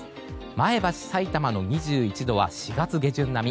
前橋、さいたまの２１度は４月下旬並み。